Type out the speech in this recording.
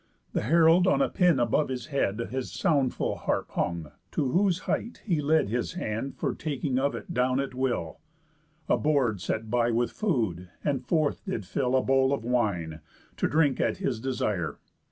The herald on a pin above his head His soundful harp hung, to whose height he led His hand for taking of it down at will, A board set by with food, and forth did fill A bowl of wine, to drink at his desire.